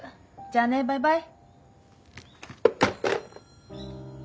じゃあねバイバイ。